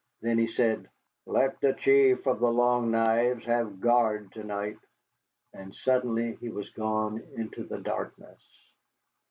Then he said: "Let the Chief of the Long Knives have guard tonight." And suddenly he was gone into the darkness.